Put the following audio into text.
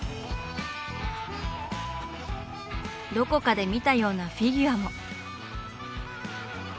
どこかで見たようなフィギュアも。